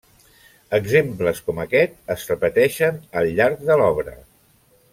Exemples com aquest es repeteixen al llarg de l'obra.